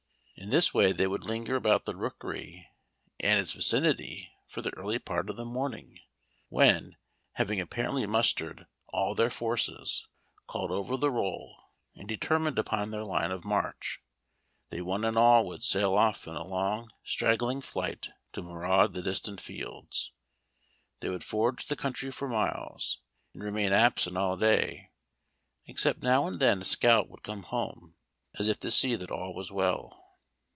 In this way they would linger about the rookery and its vicinity for the early part of the morning, when, having apparently mustered all their forces, called over the roll, and determined upon their line of march, they one and all would sail off in a long straggling flight to maraud the distant fields. They would forage the country for miles, and remain absent all day, excepting now and then a scout would come home, as if to see that all was well.